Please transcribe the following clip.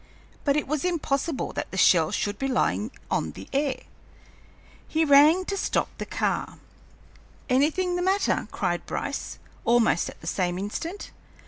But it was impossible that the shell should be lying on the air! He rang to stop the car. "Anything the matter?" cried Bryce, almost at the same instant.